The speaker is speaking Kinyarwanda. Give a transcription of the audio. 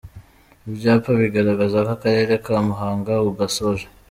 Ibyapa bigaragaza ko akarere ka Muhanga ugasoje .